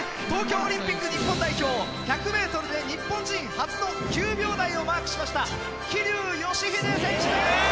東京オリンピック日本代表１００ｍで日本人初の９秒台をマークしました桐生祥秀選手です。